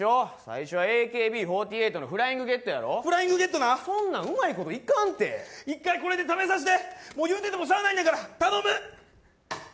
最初はＡＫＢ４８の「フライングゲット」やろ「フライングゲット」なそんなんうまいこといかんて一回これで試させてもう言うててもしゃあないんだから頼む！